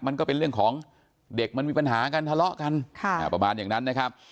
มันก็เป็นเรื่องของเด็กมันมีปัญหากันทะเลาะกันประมาณอย่างนั้นนะครับ